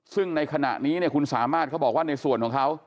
ซึ่งในขณะนี้คุณสามารถเขาบอกว่าในส่วนของเขา